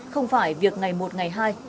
không phải việc ngày một ngày hai